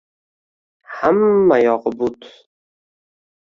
Hammma yog’i but.